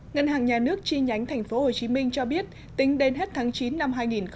ngân hàng nhà nước chi nhánh thành phố hồ chí minh cho biết tính đến hết tháng chín năm hai nghìn một mươi bảy